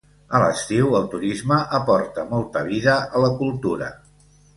A l'estiu, el turisme aporta molta vida a la cultura.